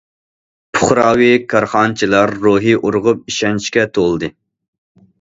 پۇقراۋى كارخانىچىلار روھى ئۇرغۇپ ئىشەنچكە تولدى.